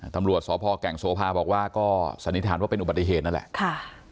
ตำรวจสพแก่งโสภาบอกว่าก็สันนิษฐานว่าเป็นอุบัติเหตุนั่นแหละค่ะ